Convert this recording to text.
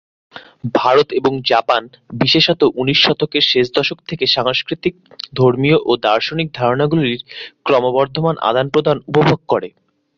ভারত এবং জাপান, বিশেষত উনিশ শতকের শেষ দশক থেকে সাংস্কৃতিক, ধর্মীয় ও দার্শনিক ধারণাগুলির ক্রমবর্ধমান আদান-প্রদান উপভোগ করে।